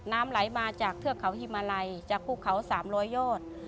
น้ำไหลมาจากทรย์เขาฮิมาไลจากพู่เขาสามลอยโยษ